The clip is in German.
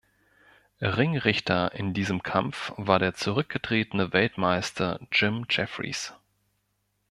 Ringrichter in diesem Kampf war der zurückgetretene Weltmeister "Jim Jeffries".